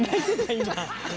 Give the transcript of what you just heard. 今。